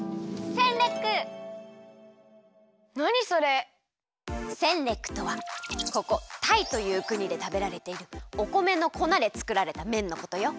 センレックとはここタイというくにでたべられているおこめのこなでつくられためんのことよ。